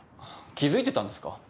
気付いてたんですか？